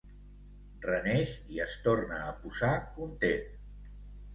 Reneix i es torna a posar content.